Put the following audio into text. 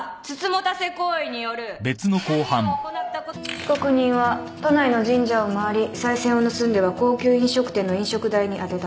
被告人は都内の神社を回りさい銭を盗んでは高級飲食店の飲食代に充てた。